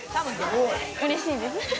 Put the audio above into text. うれしいです。